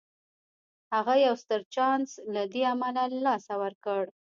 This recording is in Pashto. هغه يو ستر چانس له دې امله له لاسه ورکړ.